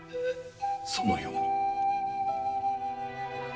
そのように。